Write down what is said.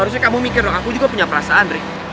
harusnya kamu mikir dong aku juga punya perasaan ri